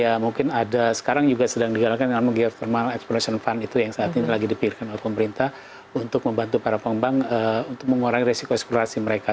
ya mungkin ada sekarang juga sedang digalakan ilmu geothermal exploration fund itu yang saat ini lagi dipilihkan oleh pemerintah untuk membantu para pengembang untuk mengurangi resiko eksplorasi mereka